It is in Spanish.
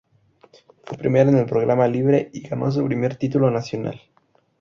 Fue primera en el programa libre y ganó su primer título nacional.